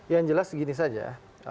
yang jelas begini saja